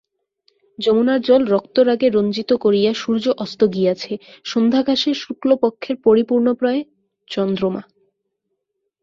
যমুনার জল রক্তরাগে রঞ্জিত করিয়া সূর্য অস্ত গিয়াছে, সন্ধ্যাকাশে শুক্লপক্ষের পরিপূর্ণপ্রায় চন্দ্রমা।